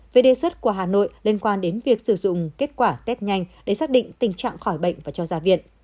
về đề xuất của hà nội liên quan đến việc sử dụng kết quả test nhanh để xác định tình trạng khỏi bệnh và cho ra viện